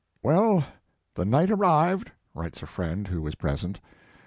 "Well, the night arrived," writes a friend who was present.